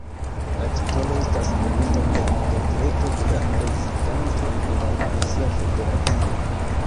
La titolo estas donita per dekreto de la prezidanto de la Rusia Federacio.